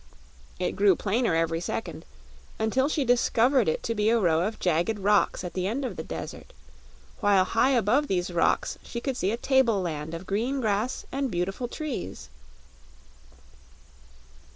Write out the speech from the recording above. It grew plainer every second, until she discovered it to be a row of jagged rocks at the end of the desert, while high above these rocks she could see a tableland of green grass and beautiful trees.